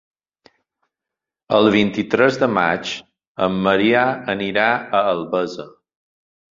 El vint-i-tres de maig en Maria anirà a Albesa.